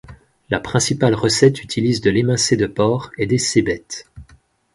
La principale recette utilise de l'émincé de porc et des cébettes.